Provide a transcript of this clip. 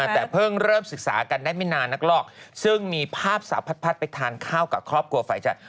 แต่เพิ่งเริ่มศึกษากันได้ไม่นานนักหรอกซึ่งมีภาพสาวพัดไปทานข้าวกับครอบครัวฝ่ายจัด